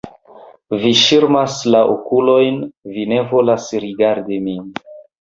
Vi ŝirmas la okulojn, vi ne volas rigardi min!